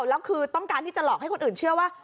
แล้วคือต้องการที่จะหลอกให้คนอื่นเชื่อว่า